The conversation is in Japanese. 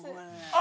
あ！